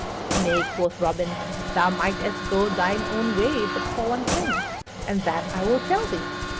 "Nay," quoth Robin, "thou mightst go thine own way but for one thing, and that I will tell thee.